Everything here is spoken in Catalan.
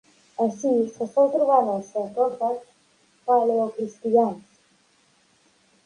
Així se sol trobar en els sarcòfags paleocristians.